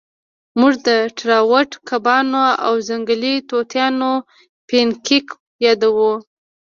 موږ د ټراوټ کبانو او ځنګلي توتانو پینکیک یادوو